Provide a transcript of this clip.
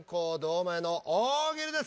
前の大喜利です。